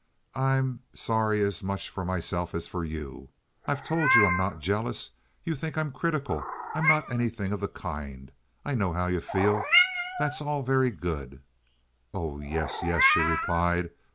I'm sorry as much for myself as for you. I've told you I'm not jealous. You think I'm critical. I'm not anything of the kind. I know how you feel. That's all very good." "Oh yes, yes," she replied.